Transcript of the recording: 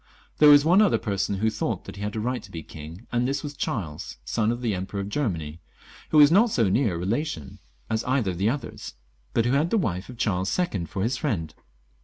There was one other person who thought he had a right to be king, and this was Charles, son of the Emperor of Germany, who was not so near a relation as either of the others, but who had the wife of Charles II. for his friend.